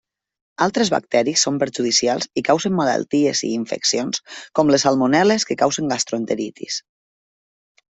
Altres bacteris són perjudicials i causen malalties i infeccions, com les salmonel·les que causen gastroenteritis.